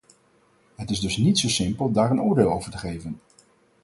Het is dus niet zo simpel daar een oordeel over te geven.